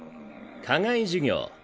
課外授業。